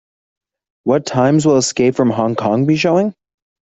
What times will Escape from Hong Kong be showing?